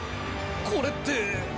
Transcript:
これって。